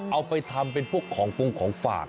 เอาไปทำเป็นพวกของปรุงของฝาก